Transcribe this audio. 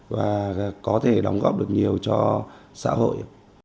và có thể đóng góp được nhiều cho xã hội